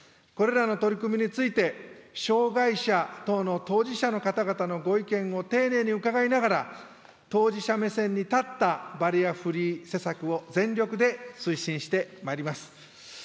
これらの取り組みについて、障害者等の当事者の方々のご意見を丁寧に伺いながら、当事者目線に立ったバリアフリー施策を全力で推進してまいります。